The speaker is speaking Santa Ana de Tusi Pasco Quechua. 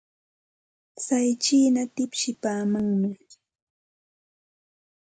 Tsay chiina tipsipaamanmi.